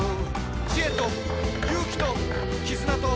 「知恵と勇気ときずなと」